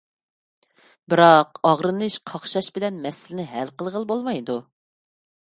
بىراق، ئاغرىنىش، قاقشاش بىلەن مەسىلىنى ھەل قىلغىلى بولمايدۇ.